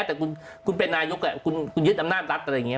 แต่คุณเป็นนายกคุณยึดอำนาจรัฐอะไรอย่างนี้